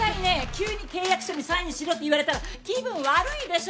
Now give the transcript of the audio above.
急に契約書にサインしろって言われたら気分悪いでしょ？